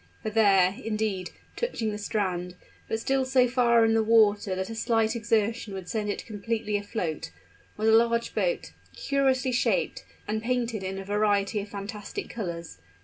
For there, indeed, touching the strand, but still so far in the water that a slight exertion would send it completely afloat, was a large boat, curiously shaped, and painted in a variety of fantastic colors.